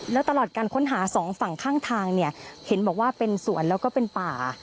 แล้วตลอดการค้นหาสองฝั่งข้างทางเนี่ยเห็นบอกว่าเป็นสวนแล้วก็เป็นป่า